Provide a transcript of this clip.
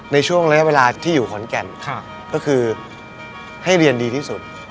ในช่วงระยะเวลาที่อยู่ขอนแก่นก็คือให้เรียนดีที่สุด